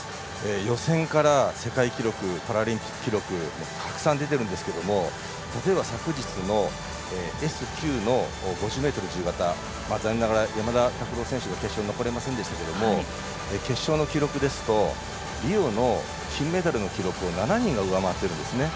予選から世界記録パラリンピック記録たくさん出てるんですけどもたとえば昨日のＳ９の５０ｍ自由形残念ながら山田拓朗選手が決勝に残れませんでしたけど決勝の記録ですとリオの金メダルの記録を７人が上回っているんですね。